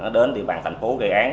đến địa bàn thành phố gây án